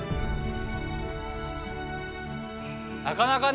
なかなかね